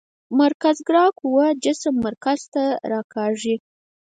مرکزګرا قوه جسم مرکز ته راکاږي.